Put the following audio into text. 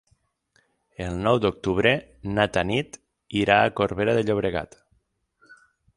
El nou d'octubre na Tanit irà a Corbera de Llobregat.